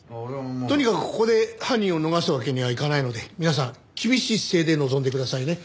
とにかくここで犯人を逃すわけにはいかないので皆さん厳しい姿勢で臨んでくださいね。